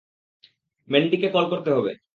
ম্যান্ডিকে call করতে হবে।